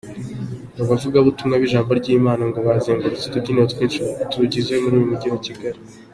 Abo bavugagabutumwa b’ijambo ry’Imana, ngo bazengurutse twinshi mu tubyibiro two muri Kigali.